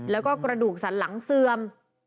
แล้วก็กระดูกสันหลังเสื่อม